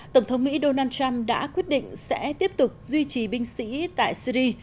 tổng thống mỹ donald trump đã quyết định sẽ tiếp tục duy trì binh sĩ tại syri